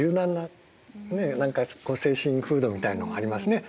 何か精神風土みたいのがありますね。